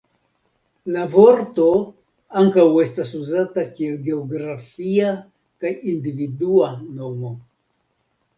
La vorto ankaŭ estas uzata kiel geografia kaj individua nomo.